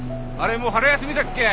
もう春休みだっけ？